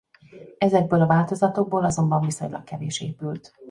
Ezekből a változatokból azonban viszonylag kevés épült.